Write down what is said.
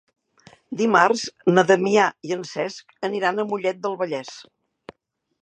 Dimarts na Damià i en Cesc aniran a Mollet del Vallès.